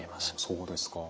そうですか。